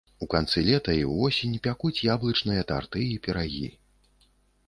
У канцы лета і ўвосень пякуць яблычныя тарты і пірагі.